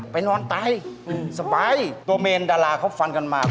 นอนตายสบายตัวเมนดาราเขาฟันกันมา